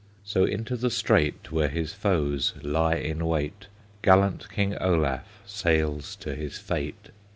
So into the strait Where his foes lie in wait, Gallant King Olaf Sails to his fate!